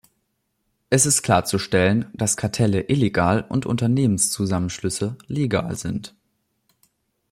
Es ist klarzustellen, dass Kartelle illegal und Unternehmenszusammenschlüsse legal sind.